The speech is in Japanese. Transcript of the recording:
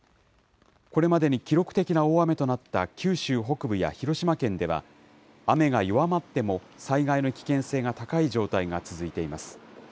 これまでに記録的な大雨となった九州北部や広島県では、雨が弱まっても、災害の危険性が高い状態が続いています。